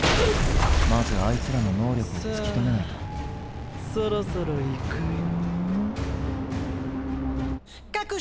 まずあいつらの能力を突き止めないとそろそろいくよ？